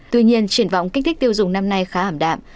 tuy nhiên triển vọng kích thích tiêu dùng năm nay khá ảm đạm